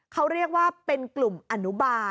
เขาเรียกว่าเป็นกลุ่มอนุบาล